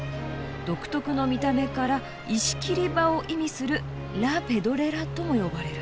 独特の見た目から石切り場を意味する『ラ・ペドレラ』とも呼ばれる。